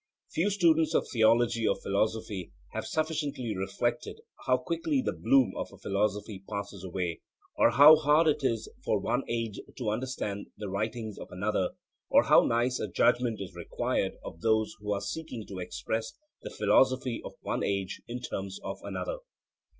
Few students of theology or philosophy have sufficiently reflected how quickly the bloom of a philosophy passes away; or how hard it is for one age to understand the writings of another; or how nice a judgment is required of those who are seeking to express the philosophy of one age in the terms of another.